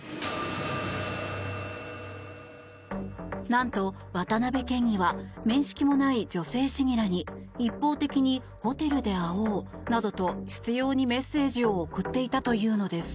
なんと、渡辺県議は面識もない女性市議らに一方的にホテルで会おうなどと執ようにメッセージを送っていたというのです。